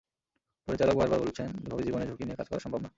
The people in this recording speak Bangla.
পরিচালক বারবার বলছেন, এভাবে জীবনের ঝুঁকি নিয়ে কাজ করা সম্ভব না।